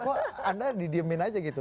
kok anda didiemin aja gitu